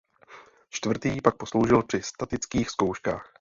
Čtvrtý pak posloužil při statických zkouškách.